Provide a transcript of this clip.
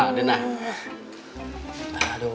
nah den nah